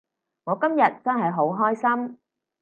我今日真係好開心